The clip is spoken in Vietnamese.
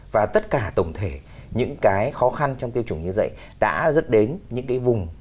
và tất cả tổng thể những cái khó khăn trong tiêm chủng như vậy đã dẫn đến những cái vùng